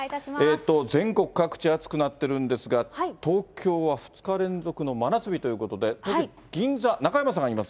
全国各地、暑くなってるんですが、東京は２日連続の真夏日ということで、東京・銀座、中山さんがいます。